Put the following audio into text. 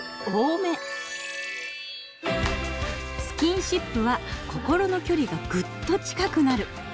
スキンシップは心の距離がぐっと近くなる。